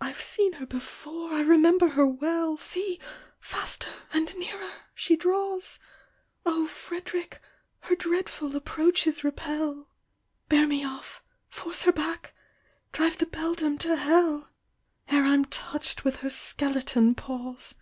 I've seen her before ; I remember her well ! See ! faster and nearer she draws ! O Fred'rick ! her dreadful approaches repel ; Bear me off — force her back — drive the bedlam to hell! Ere I'm touch'd with her skeleton paws.